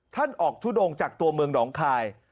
ท่านออกทุดงจากตัวเมืองหนองคาย